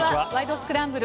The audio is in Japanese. スクランブル」